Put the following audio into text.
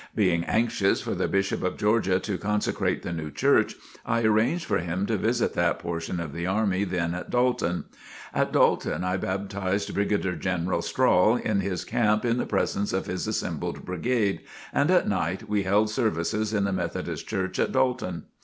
Being anxious for the Bishop of Georgia to consecrate the new church, I arranged for him to visit that portion of the army then at Dalton. At Dalton I baptized Brigadier General Strahl in his camp in the presence of his assembled brigade, and at night we held services in the Methodist Church at Dalton.